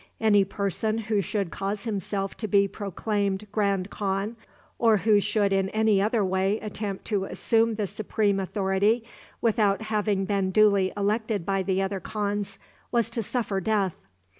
Any person who should cause himself to be proclaimed grand khan, or who should in any other way attempt to assume the supreme authority without having been duly elected by the other khans, was to suffer death.